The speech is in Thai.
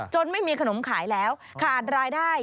ไม่มีขนมขายแล้วขาดรายได้